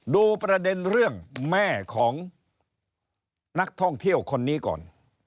ดูประเด็นเรื่องแม่ของนักท่องเที่ยวคนนี้ก่อน